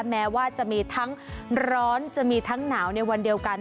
แม้ว่าจะมีทั้งร้อนจะมีทั้งหนาวในวันเดียวกัน